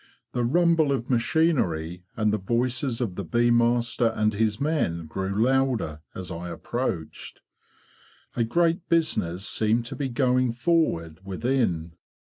The rumble of machinery and the voices of the bee master and his men grew louder as I approached. A great business seemed to be going forward within.